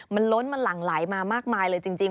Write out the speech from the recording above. มันล้นมันหลั่งไหลมามากมายเลยจริง